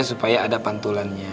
supaya ada pantulannya